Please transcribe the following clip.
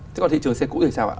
thế còn thị trường xe cũ thì sao ạ